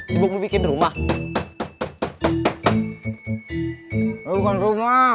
sibuk bikin rumah rumah rumah